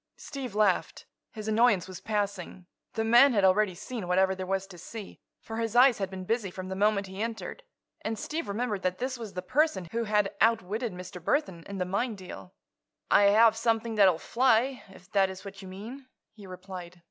Steve laughed. His annoyance was passing. The man had already seen whatever there was to see, for his eyes had been busy from the moment he entered. And Steve remembered that this was the person who had outwitted Mr. Burthon in the mine deal. "I have something that will fly, if that is what you mean," he replied.